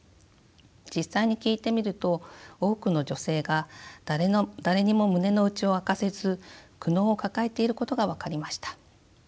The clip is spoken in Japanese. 実際に聞いてみると多くの女性が誰にも胸の内を明かせず苦悩を抱えていることが分かりました。